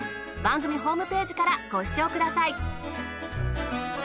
番組ホームページからご視聴ください。